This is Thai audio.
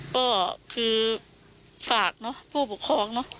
ก็คือฝากผู้บุคคลอร์ง